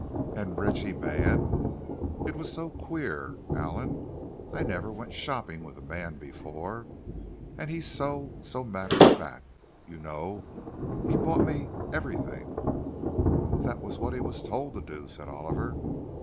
"And Reggie Mann! It was so queer, Allan! I never went shopping with a man before. And he's so—so matter of fact. You know, he bought me—everything!" "That was what he was told to do," said Oliver.